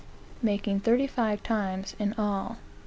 making thirty five times in all.